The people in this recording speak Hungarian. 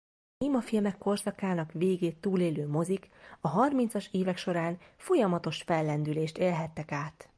A némafilmek korszakának végét túlélő mozik a harmincas évek során folyamatos fellendülést élhettek át.